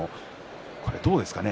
これでどうですかね